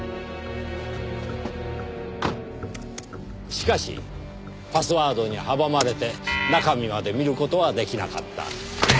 しかしパスワードに阻まれて中身まで見る事は出来なかった。